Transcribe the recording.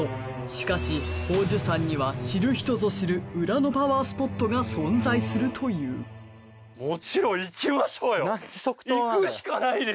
しかし宝珠山には知る人ぞ知る裏のパワースポットが存在するというなんで即答なの。